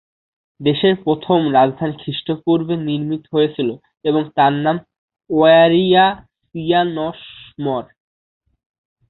দেশের প্রথম রাজধানী খ্রিস্টপূর্বে নির্মিত হয়েছিল এবং তার নাম ওয়্যারিয়সিয়ানম্বর।